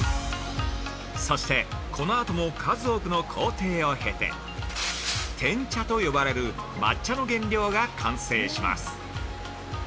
◆そして、このあとも数多くの工程を経て、「てん茶」と呼ばれる「抹茶の原料」が完成します。